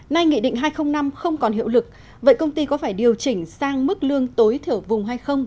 nay nghị định hai nghìn năm không còn hiệu lực vậy công ty có phải điều chỉnh sang mức lương tối thửa vùng hay không